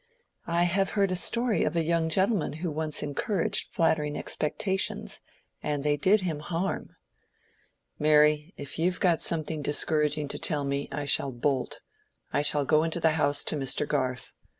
"I have heard a story of a young gentleman who once encouraged flattering expectations, and they did him harm." "Mary, if you've got something discouraging to tell me, I shall bolt; I shall go into the house to Mr. Garth.